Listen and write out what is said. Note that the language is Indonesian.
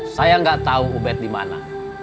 saya nggak tahu ubed dimana